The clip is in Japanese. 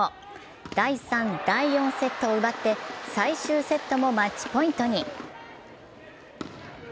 第３・第４セットを奪って最終セットもマッチポイントに。